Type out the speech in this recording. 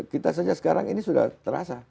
kita saja sekarang ini sudah terasa